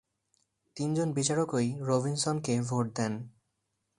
তিনজন বিচারকই রবিনসনকে ভোট দেন।